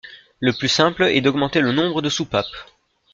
Le plus simple est d'augmenter le nombre de soupapes.